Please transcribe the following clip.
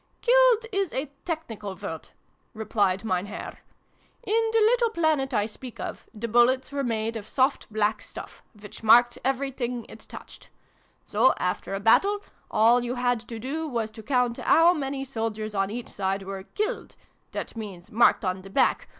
"' Killed ' is a technical word," replied Mein Herr. "In the little planet I speak of, the bullets were made of soft black stuff, which marked everything it touched. So, after a battle, all you had to do was to count how many soldiers on each side were ' killed ' that means ' marked on the back?